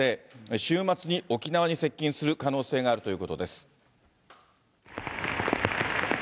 週末に沖縄に接近する可能性があるということです。